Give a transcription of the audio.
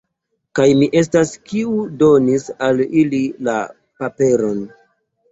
Kaj mi estas, kiu donis al ili la paperon!